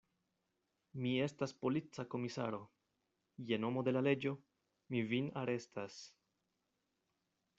Mi estas polica komisaro: je nomo de la leĝo mi vin arestas.